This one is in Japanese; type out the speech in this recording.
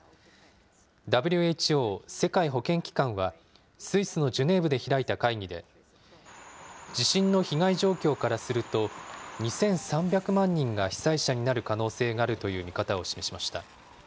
ＷＨＯ・世界保健機関は、スイスのジュネーブで開いた会議で、地震の被害状況からすると、２３００万人が被災者になる可能性があるという見方を示しました。